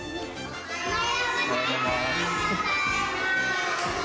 おはようございます。